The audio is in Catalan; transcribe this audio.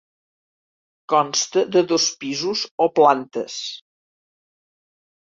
Consta de dos pisos o plantes.